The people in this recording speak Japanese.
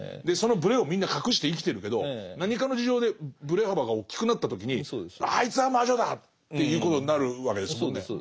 でそのブレをみんな隠して生きてるけど何かの事情でブレ幅が大きくなった時に「あいつは魔女だ！」っていうことになるわけですもんね。